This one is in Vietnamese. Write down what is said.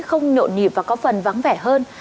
không nhộn nhịp và có phần vắng vẻ hơn